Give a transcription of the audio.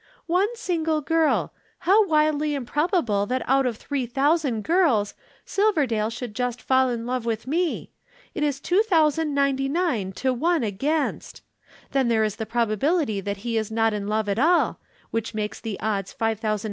"One single girl. How wildly improbable that out of three thousand girls, Silverdale should just fall in love with me. It is 2999 to 1 against. Then there is the probability that he is not in love at all which makes the odds 5999 to 1.